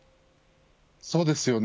そうですよね。